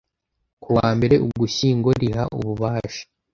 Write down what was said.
kuwa mbere Ugushyingo riha ububasha